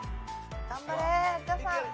頑張れ有田さん。